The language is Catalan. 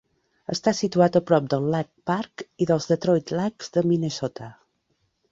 Està situat a prop del Lake Park i dels Detroit Lakes de Minnesota.